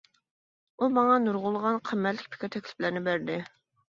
ئۇ ماڭا نۇرغۇنلىغان قىممەتلىك پىكىر-تەكلىپلەرنى بەردى.